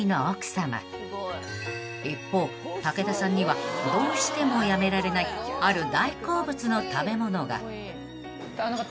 ［一方武田さんにはどうしてもやめられないある大好物の食べ物が］